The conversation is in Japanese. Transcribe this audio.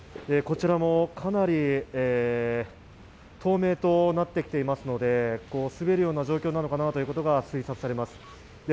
こちらもかなり透明となってきておりますので滑るような状況なのかなということが推察されます。